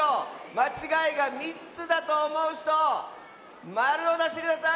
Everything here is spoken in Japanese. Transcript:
まちがいが３つだとおもうひと○をだしてください。